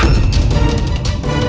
ada apa younger